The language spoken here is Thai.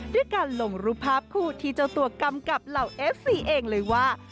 ด้วยการลงรูปภาพคู่ที่เจ้าตัวกำกับเหล่าเอฟซีเองเลยว่า